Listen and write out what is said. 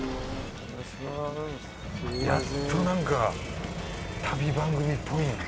やっとなんか旅番組っぽいね。